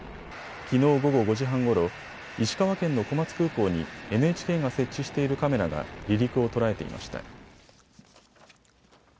きのう午後５時半ごろ、石川県の小松空港にＮＨＫが設置しているカメラが離陸を捉えていました。